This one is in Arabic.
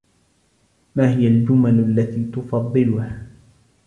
ما هي الجُمل التي تفضلها ؟